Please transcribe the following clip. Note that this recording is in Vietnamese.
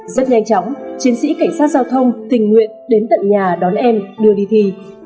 rất nhanh chóng chiến sĩ cảnh sát giao thông tình nguyện đến tận nhà đón em đưa đi thi